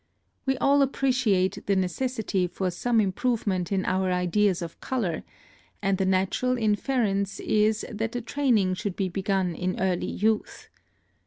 We all appreciate the necessity for some improvement in our ideas of color, and the natural inference is that the training should be begun in early youth.